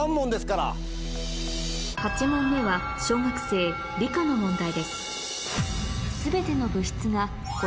８問目は小学生理科の問題です